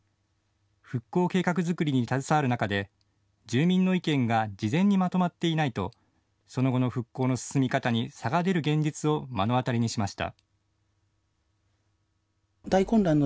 復興計画作りに携わる中で住民の意見が事前にまとまっていないとその後の復興の進み方に差が出る現実を目の当たりにしました。